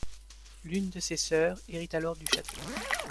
L’une de ses sœurs hérite alors du château.